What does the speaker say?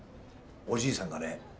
おじいさんがね